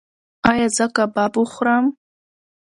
ایا زه کباب وخورم؟